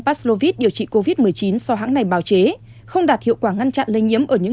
paslovit điều trị covid một mươi chín do hãng này bào chế không đạt hiệu quả ngăn chặn lây nhiễm ở những